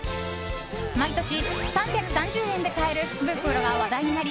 毎年、３３０円で買える福袋が話題になり